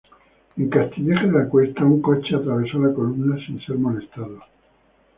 En Castilleja de la Cuesta un coche atravesó la columna sin ser molestado.